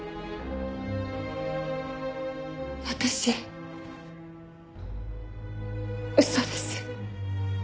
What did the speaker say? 私嘘です。